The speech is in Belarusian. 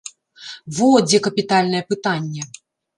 Во, дзе капітальнае пытанне!